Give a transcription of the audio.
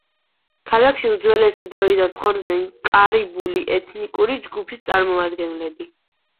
ქალაქში უძველესი დროიდან ცხოვრობდნენ კარიბული ეთნიკური ჯგუფის წარმომადგენლები.